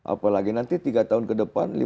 apalagi nanti tiga tahun ke depan